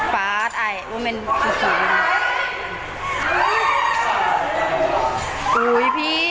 ฟาสไอ้ว่ามันสุดท้าย